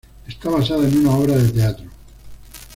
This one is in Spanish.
Está basada en una obra de teatro.